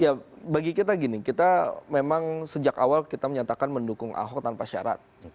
ya bagi kita gini kita memang sejak awal kita menyatakan mendukung ahok tanpa syarat